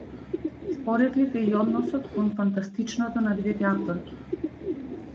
Споредлив е и односот кон фантастичното на двете авторки.